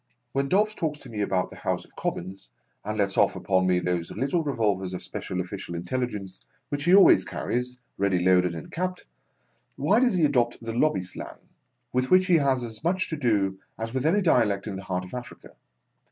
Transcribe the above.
When Dobbs talks to me about the House of Commons, (and lets off upon me those little revolvers of special official intelligence which he always carries, ready loaded and capped), why does he adopt the Lobby slang : with which he has as much to do as with any dialect in the heart of Africa